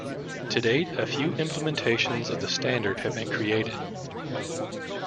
To date, a few implementations of the standard have been created.